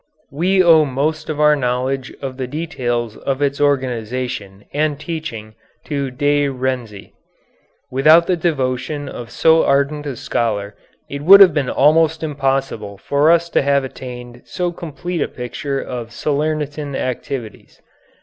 We owe most of our knowledge of the details of its organization and teaching to De Renzi. Without the devotion of so ardent a scholar it would have been almost impossible for us to have attained so complete a picture of Salernitan activities.